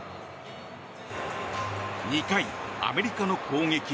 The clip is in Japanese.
２回、アメリカの攻撃。